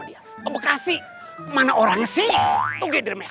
di bekasi mana orangnya sih